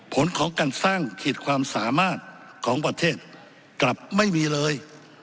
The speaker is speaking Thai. ผลของการสร้างขีดความสามารถของประเทศกลับไม่มีเลย